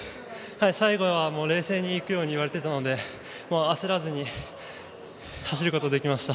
最後は冷静に行くように言われていたので焦らずに走ることができました。